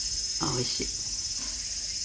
「おいしい」